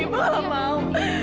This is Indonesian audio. ibu nggak mau